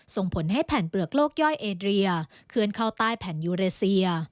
ส่งผลให้แผ่นเปลือกโลกย่อยเอเรียเคลื่อนเข้าใต้แผ่นยูเรเซีย